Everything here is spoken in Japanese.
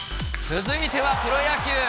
続いてはプロ野球。